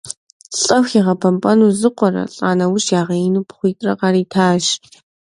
Лӏэху игъэбэмпӏэну зы къуэрэ, лӏа нэужь ягъеину пхъуитӏрэ къаритащ.